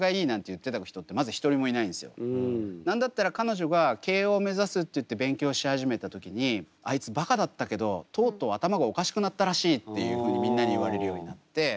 なんだったら彼女が慶應目指すって言って勉強し始めた時にあいつばかだったけどとうとう頭がおかしくなったらしいっていうふうにみんなに言われるようになって。